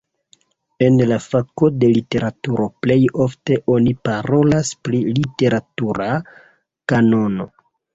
En la fako de literaturo plej ofte oni parolas pri literatura kanono.